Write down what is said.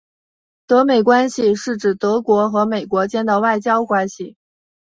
德美关系是指德国和美国间的外交关系。